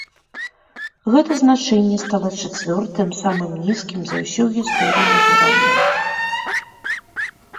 Гэта значэнне стала чацвёртым самым нізкім за ўсю гісторыю назіранняў.